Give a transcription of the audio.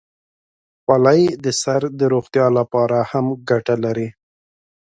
خولۍ د سر د روغتیا لپاره هم ګټه لري.